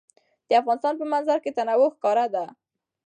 د افغانستان په منظره کې تنوع ښکاره ده.